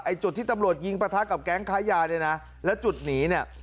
จุดที่ตำรวจยิงประทะกับแก๊งค้ายาเนี่ยนะแล้วจุดหนีเนี่ย